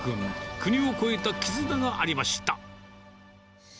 国を越えた絆がありました。